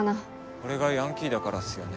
俺がヤンキーだからっすよね？